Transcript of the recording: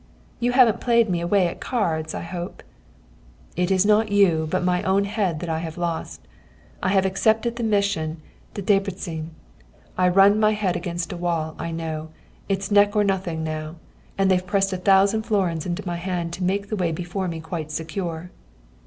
"'You haven't played me away at cards, I hope?' "'It is not you, but my own head that I have lost. I have accepted the mission to Debreczin. I've run my head against a wall, I know. It's neck or nothing now. And they've pressed a thousand florins into my hand to make the way before me quite secure.'